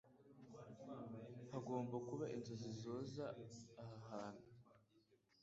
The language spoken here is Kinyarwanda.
Hagomba kuba inzozi zoza aha hantu.